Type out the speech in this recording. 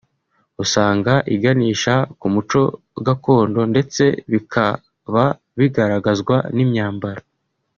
usanga iganisha ku muco gakondo ndetse bikaba bigaragazwa n’imyambaro